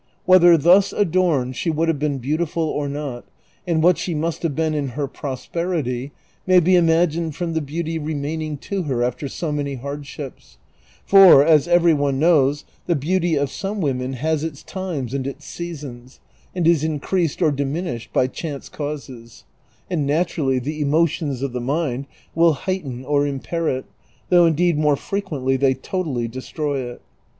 Whetlier thus adorned she would have been beautiful or not, and what she must have been in her prosperity, may be imagined from the beauty remaining to her after so many hardships ; for, as every orje knows, the beauty of some women has its times audits seasons, and is increased or diminished by chance causes; and naturally the emotions of the mind will heighten or impair it, though indeed more frequently they totally destroy it.